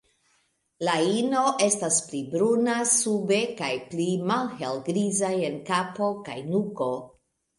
La ino estas pli bruna sube kaj pli malhelgriza en kapo kaj nuko.